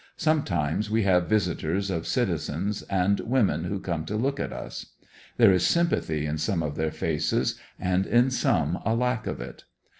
Sometimes we have visitors of citizens and women who come to look at us. There is sympathy in some of their faces and in some a lack of it.